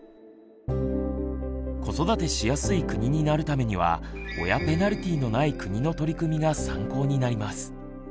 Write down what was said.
子育てしやすい国になるためには「親ペナルティー」のない国の取り組みが参考になります。